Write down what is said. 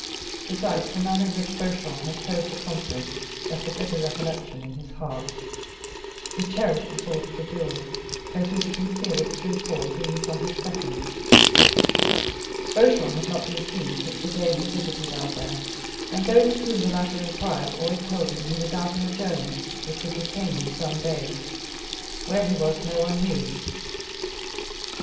Besides, the manner in which Beauchamp had closed the conference left a bitter recollection in his heart. He cherished the thought of the duel, hoping to conceal its true cause even from his seconds. Beauchamp had not been seen since the day he visited Albert, and those of whom the latter inquired always told him he was out on a journey which would detain him some days. Where he was no one knew.